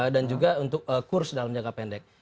dan juga untuk kurs dalam jangka pendek